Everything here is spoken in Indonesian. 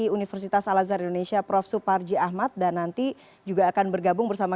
universitas al azhar indonesia prof suparji ahmad dan nanti juga akan bergabung bersama